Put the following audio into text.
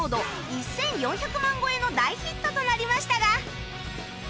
１４００万超えの大ヒットとなりましたが